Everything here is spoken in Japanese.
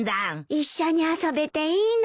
一緒に遊べていいな。